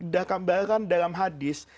dahkan bahkan dalam hadis